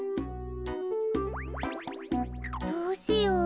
どうしよう。